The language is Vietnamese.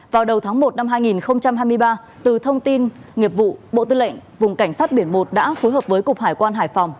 vào đầu tháng một năm hai nghìn hai mươi ba từ thông tin nghiệp vụ bộ tư lệnh vùng cảnh sát biển một đã phối hợp với cục hải quan hải phòng